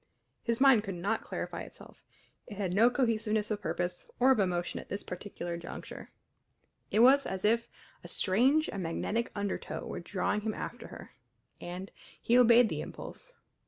His mind could not clarify itself; it had no cohesiveness of purpose or of emotion at this particular juncture. It was as if a strange and magnetic undertow were drawing him after her. And he obeyed the impulse.